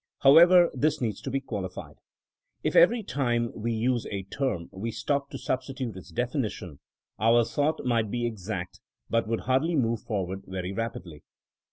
However, this needs to be qualified. If every time we used a term we stopped to sub stitute its defijiition, our thought might be exact but would hardly move forward very rap idly.